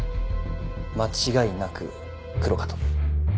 間違いなくクロかと。